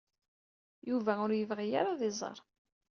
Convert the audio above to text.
Yuba ur yebɣi ara ad t-iẓer.